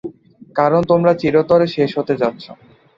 কারণ তোমরা চিরতরে শেষ হতে যাচ্ছ।